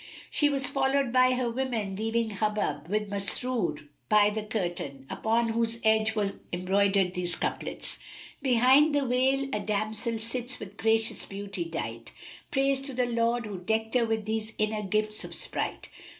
She was followed by her women leaving Hubub with Masrur by the curtain, upon whose edge were embroidered these couplets, "Behind the veil a damsel sits with gracious beauty dight, * Praise to the Lord who decked her with these inner gifts of sprite!